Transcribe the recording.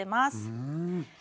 うん。